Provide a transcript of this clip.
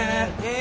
え！